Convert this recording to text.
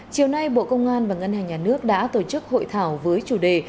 chiều nay bộ công an và ngân hàng nhà nước đã tổ chức hội thảo với chủ đề